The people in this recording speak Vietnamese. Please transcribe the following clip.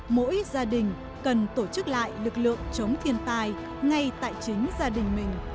mỗi gia đình cần tổ chức lại lực lượng chống thiên tai ngay tại chính gia đình mình